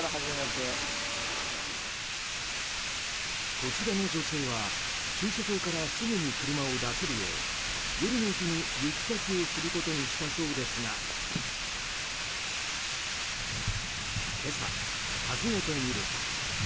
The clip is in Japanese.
こちらの女性は、駐車場からすぐに車を出せるよう夜のうちに雪かきをすることにしたそうですが今朝、訪ねてみると。